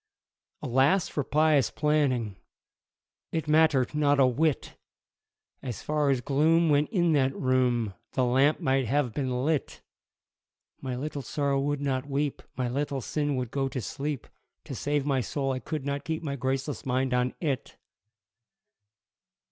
Alas for pious planning It mattered not a whit! As far as gloom went in that room, The lamp might have been lit! My Little Sorrow would not weep, My Little Sin would go to sleep To save my soul I could not keep My graceless mind on it!